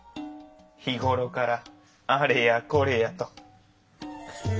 日頃からあれやこれやと。